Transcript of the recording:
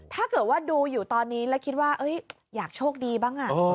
ถ้าเกิดว่าดูอยู่ตอนนี้แล้วคิดว่าอยากโชคดีบ้าง